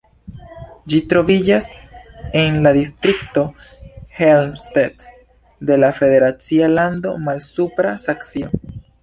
Ĝi troviĝas en la distrikto Helmstedt de la federacia lando Malsupra Saksio.